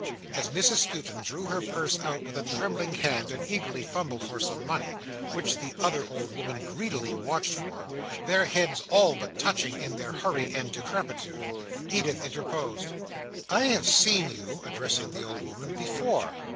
As Mrs Skewton drew her purse out with a trembling hand, and eagerly fumbled for some money, which the other old woman greedily watched for—their heads all but touching, in their hurry and decrepitude—Edith interposed: "I have seen you," addressing the old woman, "before."